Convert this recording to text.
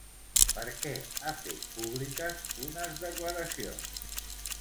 Per què ha fet públiques unes declaracions?